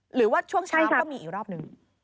หรือว่าช่วงเช้าก็มีอีกรอบหนึ่ง